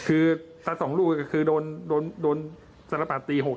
อืม